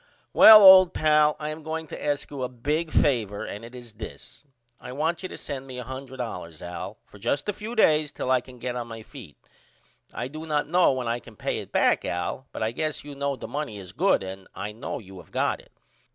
Well old pal I am going to ask you a big favor and it is this I want you to send me $100 Al for just a few days till I can get on my feet. I do not know when I can pay it back Al but I guess you know the money is good and I know you have got it.